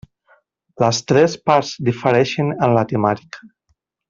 Les tres parts difereixen en la temàtica.